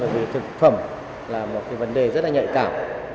về thực phẩm là một cái vấn đề rất là nhạy cảm